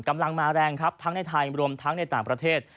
กำลังมาแรงครับทั้งในไทยรวมทั้งในต่างประเทศ